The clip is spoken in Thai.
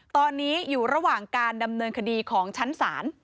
ตอนนี้อยู่ระหว่างการดำเนินคดีของชั้นศาล